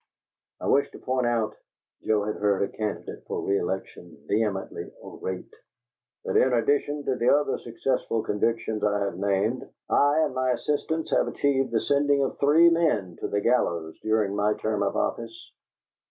"I wish to point out," Joe had heard a candidate for re election vehemently orate, "that in addition to the other successful convictions I have named, I and my assistants have achieved the sending of three men to the gallows during my term of office!"